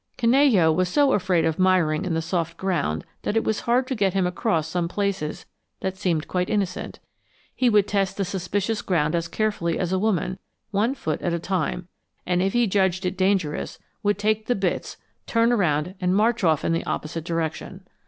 Canello was so afraid of miring in the soft ground that it was hard to get him across some places that seemed quite innocent. He would test the suspicious ground as carefully as a woman, one foot at a time; and if he judged it dangerous, would take the bits, turn around and march off in the opposite direction.